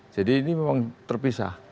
jadi ini memang terpisah